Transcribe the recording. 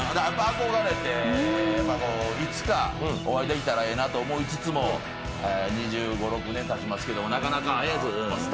憧れて、いつかお会いできたらええなと思いつつも２５２６年たちますけど、なかなか会えず。